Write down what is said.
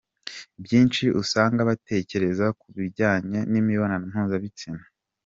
byinshi usanga batekereza ku bijyanye n’imibonano mpuzabitsinda.